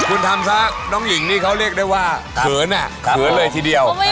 คุณทำซะน้องหญิงนี่เขาเรียกได้ว่าเขินเขินเลยทีเดียว